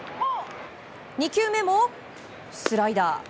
２球目もスライダー。